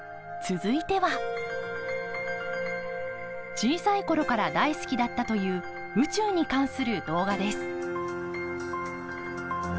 小さい頃から大好きだったという宇宙に関する動画です。